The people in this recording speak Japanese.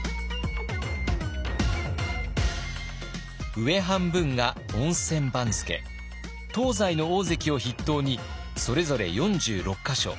上半分が温泉番付東西の大関を筆頭にそれぞれ４６か所。